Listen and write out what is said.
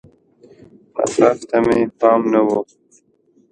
مصرف ته مې پام نه و.